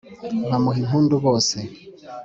bamuha impundu bose,